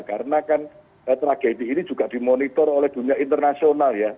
karena kan tragedi ini juga dimonitor oleh dunia internasional ya